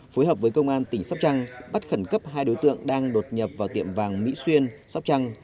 phối hợp với công an tỉnh sóc trăng bắt khẩn cấp hai đối tượng đang đột nhập vào tiệm vàng mỹ xuyên sóc trăng